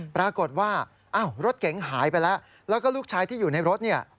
ปรากฏว่ารถเก๋งหายไปแล้วแล้วก็ลูกชายที่อยู่ในรถเนี่ย